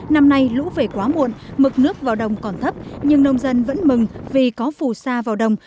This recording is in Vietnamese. năm nay lũ về quá muộn mực nước vào đồng còn thấp nhưng nông dân vẫn mừng vì có phù sa vào đồng